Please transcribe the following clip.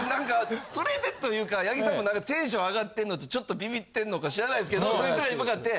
それでというか八木さんも何かテンション上がってんのとちょっとビビってんのか知らないですけどそいつらに向かって。